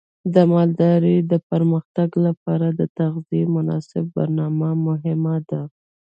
د مالدارۍ د پرمختګ لپاره د تغذیې مناسب برنامه مهمه ده.